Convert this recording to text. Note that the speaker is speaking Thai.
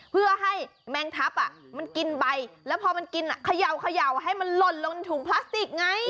เพื่อให้แมงทัพมันกินใบแล้วพอมันกินเขย่าให้มันหล่นลงถุงพลาสติกไง